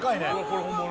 これ本物！？